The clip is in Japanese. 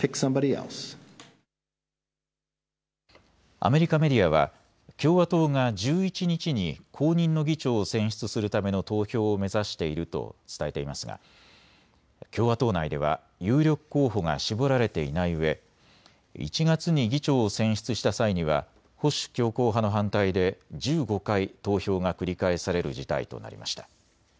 アメリカメディアは共和党が１１日に後任の議長を選出するための投票を目指していると伝えていますが共和党内では有力候補が絞られていないうえ１月に議長を選出した際には保守強硬派の反対で１５回投票が繰り返される事態となりました。